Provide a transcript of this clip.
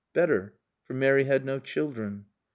Better, for Mary had no children.